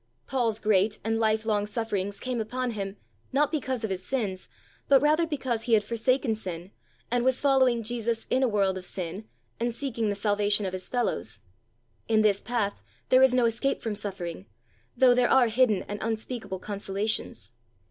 Paul's great and lifelong sufferings came upon him, not because of his sins, but rather because he had forsaken sin, and was following Jesus in a world of sin, and seeking the salvation of his fellows. In this path there is no escape from suffering, though there are hidden and unspeakable consolations.